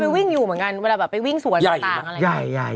คือวิ่งอยู่เหมือนกันเวลาแบบไปวิ่งสวนต่างอะไรใหญ่